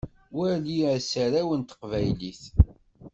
Wali asaraw n teqbaylit.